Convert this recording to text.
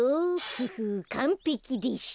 フフッかんぺきでしょ。